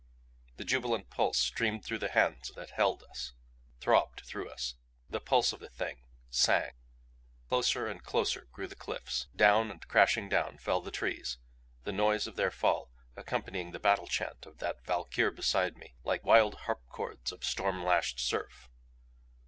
The jubilant pulse streamed through the hands that held us, throbbed through us. The pulse of the Thing sang! Closer and closer grew the cliffs. Down and crashing down fell the trees, the noise of their fall accompanying the battle chant of the Valkyr beside me like wild harp chords of storm lashed surf.